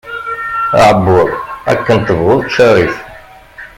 Aεebbuḍ, akken tebɣuḍ ččar-it.